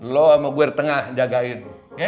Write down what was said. lo sama gue di tengah jagain